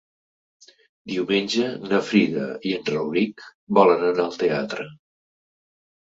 Diumenge na Frida i en Rauric volen anar al teatre.